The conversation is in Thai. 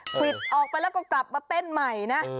ควิดออกไปแล้วก็กลับมาเต้นใหม่นะ